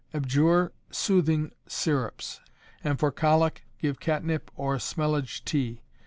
Abjure soothing syrups, and for colic give catnip or smellage tea.